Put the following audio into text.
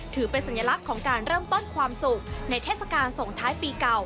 ถือเป็นสัญลักษณ์ของการเริ่มต้นความสุขในเทศกาลส่งท้ายปีเก่า